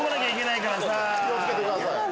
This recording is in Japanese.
気を付けてください。